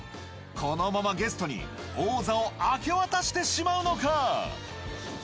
このままゲストに王座を明け渡してしまうのか？